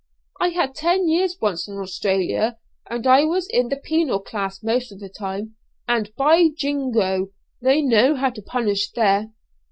I had ten years once in Australia, and I was in the penal class most of the time, and, by jingo! they know how to punish there."